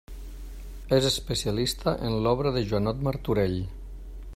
És especialista en l'obra de Joanot Martorell.